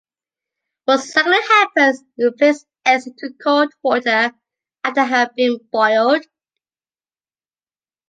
What exactly happens if you place eggs into cold water after they have been boiled?